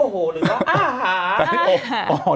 อหที่ไม่ใช่คำว่าโอโหหรือว่าอห